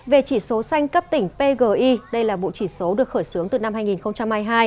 về chỉ số xanh cấp tỉnh pgi đây là bộ chỉ số được khởi xướng từ năm hai nghìn hai mươi hai